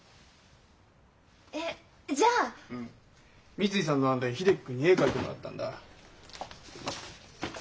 三井さんの案で秀樹君に絵描いてもらったんだ。